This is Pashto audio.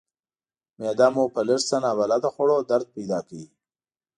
معده مو په لږ څه نابلده خوړو درد پیدا کوي.